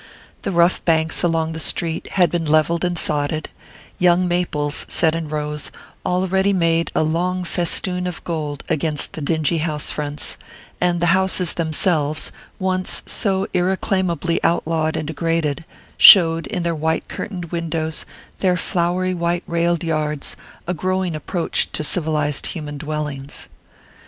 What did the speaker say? The rough banks along the street had been levelled and sodded; young maples, set in rows, already made a long festoon of gold against the dingy house fronts; and the houses themselves once so irreclaimably outlawed and degraded showed, in their white curtained windows, their flowery white railed yards, a growing approach to civilized human dwellings.